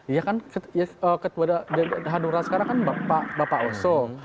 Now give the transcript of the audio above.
iya kan ketua dpd hanura sekarang kan bapak osong